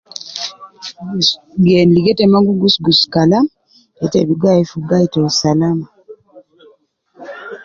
Gen ligo ta ma gi gus gus Kalam, ye ta bi gai fi gen te usalama